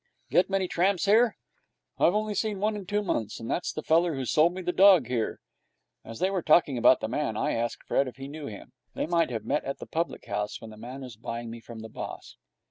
'Get many tramps here?' 'I've only seen one in two months, and that's the feller who sold me the dog here.' As they were talking about the man, I asked Fred if he knew him. They might have met at the public house, when the man was buying me from the boss.